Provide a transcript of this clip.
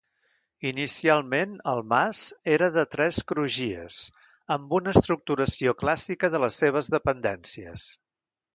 Inicialment el mas era de tres crugies amb una estructuració clàssica de les seves dependències.